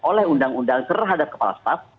oleh undang undang terhadap kepala staff